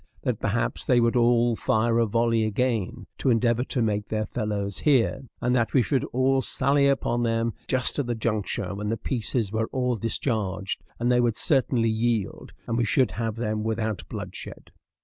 that perhaps they would all fire a volley again, to endeavor to make their fellows hear, and that we should all sally upon them just at the juncture when their pieces were all discharged, and they would certainly yield, and we should have them without bloodshed.